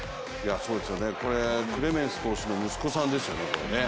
そうですよね、クレメンス投手の息子さんですよね。